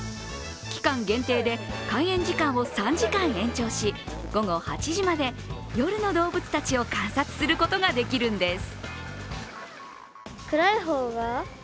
期間限定で開園時間を３時間延長し午後８時まで夜の動物たちを観察することができるんです。